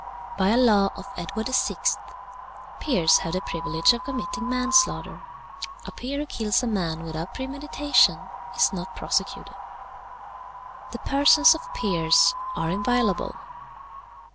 "By a law of Edward the Sixth, peers have the privilege of committing manslaughter. A peer who kills a man without premeditation is not prosecuted. "The persons of peers are inviolable.